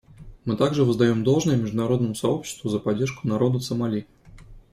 Мы также воздаем должное международному сообществу за поддержку народа Сомали.